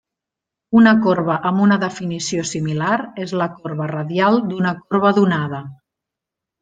Una corba amb una definició similar és la corba radial d'una corba donada.